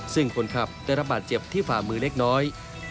ซึ่งคนขับได้รับบาดเจ็บที่ฝ่ามือเล็กน้อย